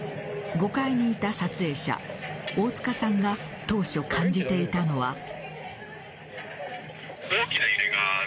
５階にいた撮影者、大塚さんが当初感じていたのは。